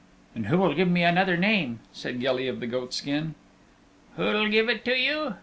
"And who will give me another name?" said Gilly of the Goatskin. "Who'll give it to you?